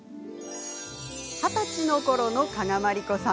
二十歳のころの加賀まりこさん。